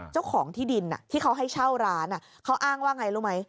เจ้าของที่ดินที่เขาให้เช่าร้านเขาอ้างว่าไงรู้ไหม